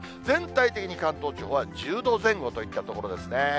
全体的に関東地方は１０度前後といったところですね。